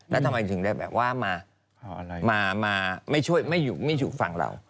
แล้วทำไมถึงได้แบบว่ามาไม่ช่วยไม่อยู่ฝั่งเรา